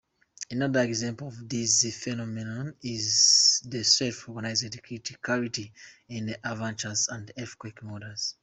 Another example of this phenomenon is the self-organized criticality in avalanche and earthquake models.